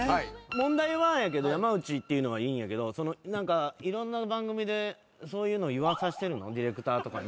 問題はやけど山内って言うのはいいんやけど何かいろんな番組でそういうの言わさしてるの？ディレクターとかに。